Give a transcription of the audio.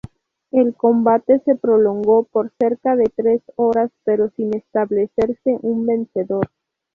El combate se prolongó por cerca de tres horas pero sin establecerse un vencedor.